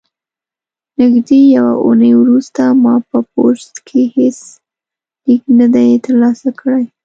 نږدې یوه اونۍ وروسته ما په پوسټ کې هیڅ لیک نه دی ترلاسه کړی.